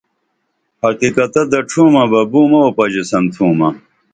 حقیقتہ دڇھومبہ بومہ اوپژائیسن تُھومہ